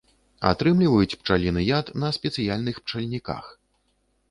Атрымліваюць пчаліны яд на спецыяльных пчальніках.